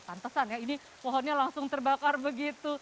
pantesan ya ini pohonnya langsung terbakar begitu